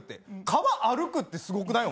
川、歩くってすごくない？